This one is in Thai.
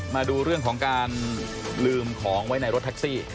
มาดูเรื่องของการลืมของไว้ในรถแท็กซี่